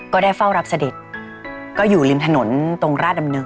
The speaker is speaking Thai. ก็ได้เฝ้ารับเสด็จก็อยู่ริมถนนตรงราชดำเนิน